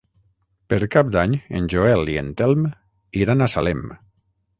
Per Cap d'Any en Joel i en Telm iran a Salem.